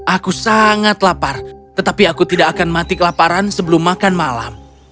aku sangat lapar tetapi aku tidak akan mati kelaparan sebelum makan malam